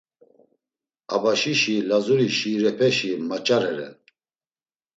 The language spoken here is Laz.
Abaşişi Lazuri şiirepeşi maç̌are ren.